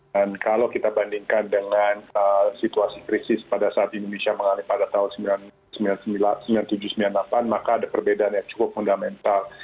dan kalau kita bandingkan dengan situasi krisis pada saat indonesia mengalir pada tahun seribu sembilan ratus sembilan puluh tujuh seribu sembilan ratus sembilan puluh delapan maka ada perbedaan yang cukup fundamental